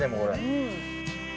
うん。